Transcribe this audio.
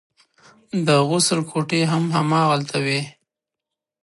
د غسل کوټې هم هماغلته وې.